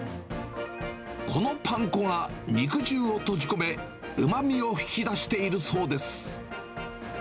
このパン粉が肉汁を閉じ込め、うまみを引き出しているそうです。